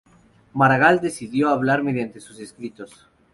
Maragall decidió hablar mediante sus escritos.